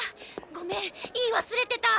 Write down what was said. ごめん言い忘れてた！